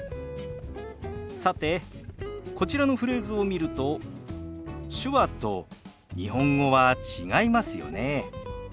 さてこちらのフレーズを見ると手話と日本語は違いますよね。